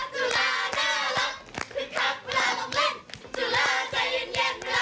คึกคักคึกคักจุลาน่ารัก